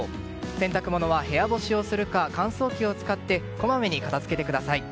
洗濯物は部屋干しをするか乾燥機を使ってこまめに片づけてください。